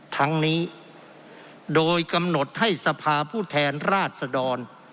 ทั้งนี้โดยกำหนดให้สภาผู้แทนราชดร